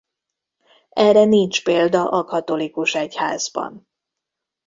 Erre nincs példa a katolikus egyházban.